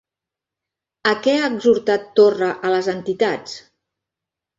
A què ha exhortat Torra a les entitats?